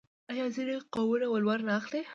آیا ځینې قومونه ولور نه اخلي؟